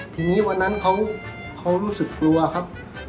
ทีนี้วันนั้นเขารู้สึกกลัวครับ